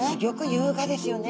優雅ですよね。